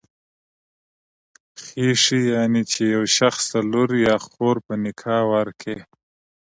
خېښي، يعنی چي يو شخص ته لور يا خور په نکاح ورکي.